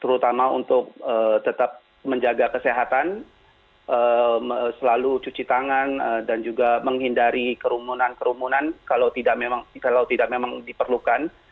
terutama untuk tetap menjaga kesehatan selalu cuci tangan dan juga menghindari kerumunan kerumunan kalau tidak memang diperlukan